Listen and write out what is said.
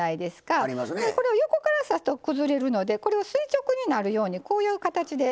これを横から刺すと崩れるのでこれを垂直になるようにこういう形で。